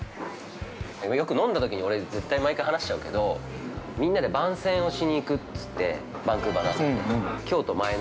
よく飲んだときに、俺、絶対毎回話しちゃうけど、みんなで番宣をしに行くっつって「バンクーバーの朝日」の。